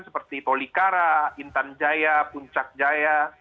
seperti polikara intan jaya puncak jaya